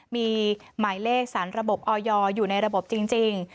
มีหมายเลขสารระบบออยอยู่ในระบบจริง